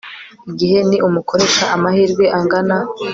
igihe ni umukoresha amahirwe angana